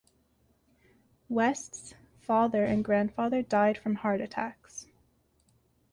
West's father and grandfather died from heart attacks.